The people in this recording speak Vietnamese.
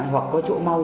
hoặc có chỗ mau